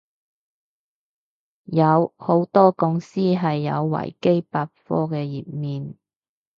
有，好多講師係有維基百科嘅頁面